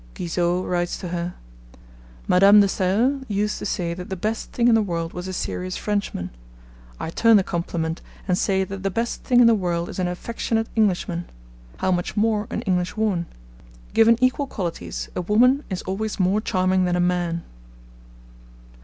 Guizot writes to her: 'Madame de Stael used to say that the best thing in the world was a serious Frenchman. I turn the compliment, and say that the best thing in the world is an affectionate Englishman. How much more an Englishwoman! Given equal qualities, a woman is always more charming than a man.'